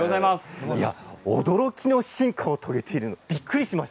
驚きの進化を遂げている